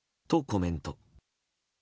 コメント。